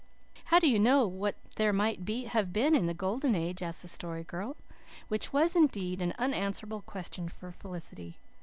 "How do you know what there might have been in the Golden Age?" asked the Story Girl. Which was, indeed, an unanswerable question for Felicity.